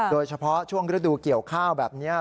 โดยเฉพาะช่วงฤดูเกี่ยวข้าวแบบนี้